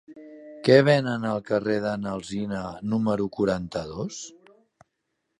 Què venen al carrer de n'Alsina número quaranta-dos?